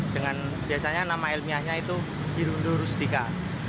dengan biasanya nama ilmiahnya itu hirundo rustika